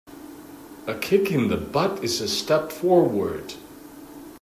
A kick in the butt is a step forward.